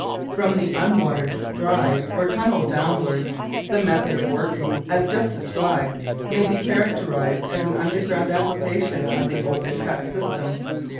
From the unwatered drive or tunnel downwards, the method of working as just described may be characterised as an underground application of the "open cut system".